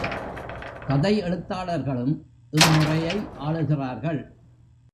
கதை எழுத்தாளர்களும் இம்முறையை ஆளுகிறார்கள்.